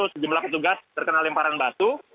sejumlah petugas terkena lemparan batu